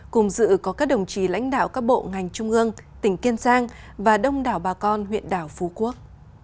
cùng dự có các đồng chí lãnh đạo các bộ ngành trung ương tỉnh kiên giang và đông đảo bà con huyện đảo phú quốc